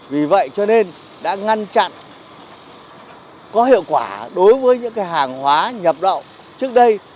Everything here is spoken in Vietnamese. vì vậy cho nên đã ngăn chặn có hiệu quả đối với những hàng hóa nhập lậu trước đây